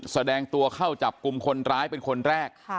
แสดงตัวเข้าจับกลุ่มคนร้ายเป็นคนแรก